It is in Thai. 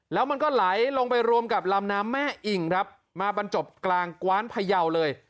แล้วมันก็ไหลลงไปรวมกับลำน้ำแม่อิ่งครับมาบรรจบกลางกว้านพยาวเลย